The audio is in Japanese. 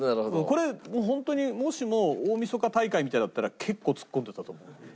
これホントにもしも大晦日大会みたいだったら結構突っ込んでたと思う。